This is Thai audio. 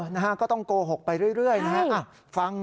นะฮะก็ต้องโกหกไปเรื่อยนะฮะฟัง